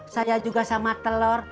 saya juga sama telur